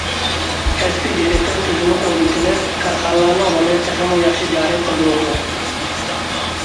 كەسپىي دىرېكتور تۈزۈمى ئورنىتىلىپ، كارخانىلارنىڭ رولى تېخىمۇ ياخشى جارى قىلدۇرۇلىدۇ.